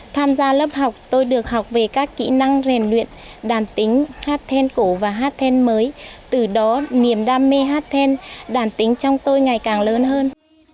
tham gia lớp học tôi được học về các kỹ năng rèn luyện đàn tính hát then cổ và hát then mới từ đó niềm đam mê hát then đàn tính trong tôi ngày càng lớn hơn